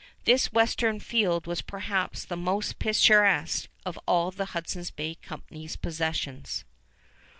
This western field was perhaps the most picturesque of all the Hudson's Bay Company's possessions.